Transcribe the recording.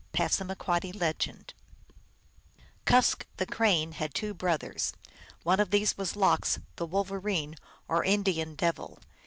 (Passamaquoddy.) Kusk, the Crane, had two brothers. One of these was Lox, the Wolverine, or Indian Devil.